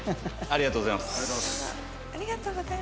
ありがとうございます！